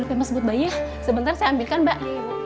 lu emang sebut bayi ya sebentar saya ambilkan mbak